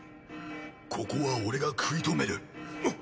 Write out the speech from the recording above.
ここは俺が食い止める。